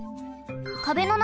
壁の中